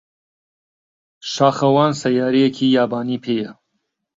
شاخەوان سەیارەیەکی یابانی پێیە.